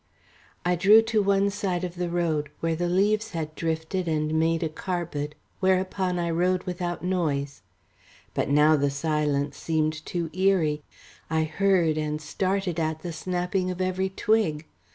I drew to one side of the road where the leaves had drifted and made a carpet whereon I rode without noise. But now the silence seemed too eerie I heard, and started at, the snapping of every twig.